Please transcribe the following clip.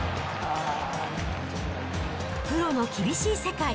プロの厳しい世界。